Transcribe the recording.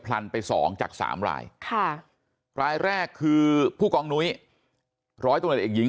ลันไป๒จาก๓รายรายแรกคือผู้กองนุ้ยร้อยตำรวจเอกหญิง